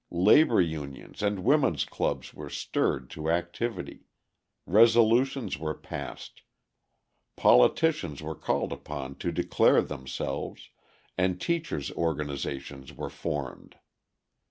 Labour unions and women's clubs were stirred to activity, resolutions were passed, politicians were called upon to declare themselves, and teachers' organisations were formed.